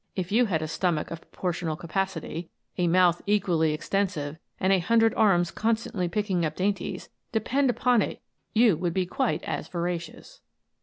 If you had a stomach of proportional capacity, a mouth equally extensive, and a hundred arms constantly picking up dainties, depend upon it you would be quite as voracious